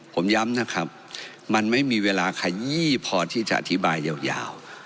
ผมย้ำนะครับมันไม่มีเวลาขยี้พอที่จะอธิบายยาว